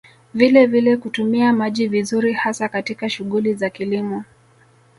Vilevile kutumia maji vizuri hasa katika shughuli za kilimo